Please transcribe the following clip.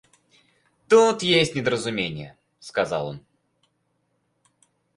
Тут есть недоразумение, — сказал он.